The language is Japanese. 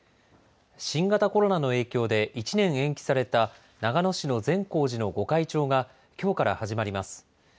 新型コロナの影響で１年延期された、長野市の善光寺の御開帳が、きょうから始まります。